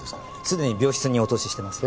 すでに病室にお通ししてます。